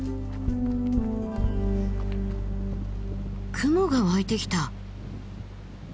雲が湧いてきた。